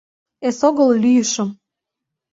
Эсогыл лӱйышым.